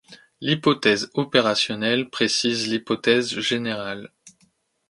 L’hypothèse opérationnelle précise l’hypothèse générale.